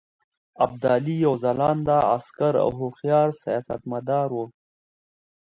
ابدالي یو ځلانده عسکر او هوښیار سیاستمدار وو.